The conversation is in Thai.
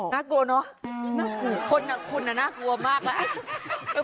น่ากลัวเนอะ